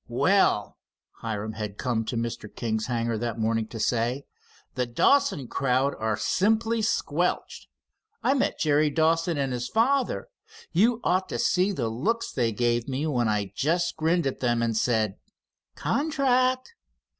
"Well," Hiram had come to Mr. King's hangar that morning to say, "the Dawson crowd are simply squelched. I met Jerry Dawson and his father. You ought to see the looks they gave me when I just grinned at them, and said 'Contract!'